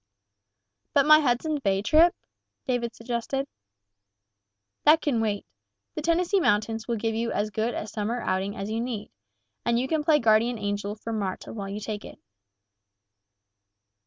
"But my Hudson Bay trip?" David suggested. "That can wait. The Tennessee mountains will give you as good a summer outing as you need, and you can play guardian angel for Marta while you take it."